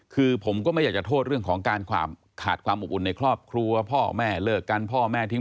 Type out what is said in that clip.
คือผมก็ไม่อยากจะโทษเรื่องของการขาดความอบอุ่นในครอบครัวพ่อแม่เลิกกันพ่อแม่ทิ้ง